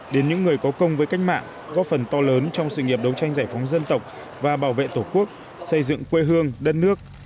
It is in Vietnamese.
đến những người có công với cách mạng góp phần to lớn trong sự nghiệp đấu tranh giải phóng dân tộc và bảo vệ tổ quốc xây dựng quê hương đất nước